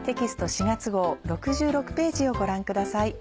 ４月号６６ページをご覧ください。